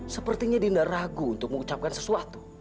sepertinya dinda ragu untuk mengucapkan sesuatu